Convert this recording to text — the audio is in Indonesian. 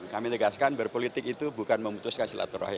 kami tegaskan berpolitik itu bukan memutuskan silaturahim